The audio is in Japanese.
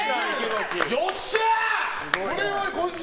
よっしゃー！